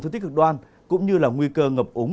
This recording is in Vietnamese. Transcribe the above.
thời tiết cực đoan cũng như là nguy cơ ngập ống